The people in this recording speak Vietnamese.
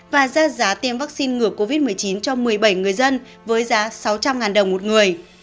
và ra giá tiêm vaccine ngừa covid một mươi chín cho một mươi bảy người dân với giá sáu trăm linh đồng một người